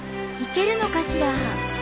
行けるのかしら？